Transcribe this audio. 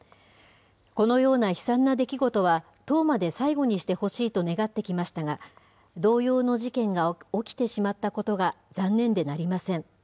このような悲惨な出来事は冬生で最後にしてほしいと願ってきましたが、同様の事件が起きてしまったことが残念でなりません。